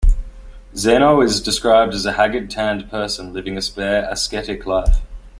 Zeno is described as a haggard, tanned person, living a spare, ascetic life.